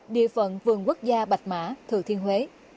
địa phận vườn quốc gia bạch mã thừa thiên huế